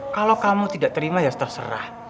kalau kamu tidak terima ya terserah